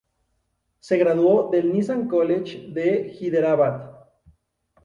Se graduó del Nizam College de Hyderabad.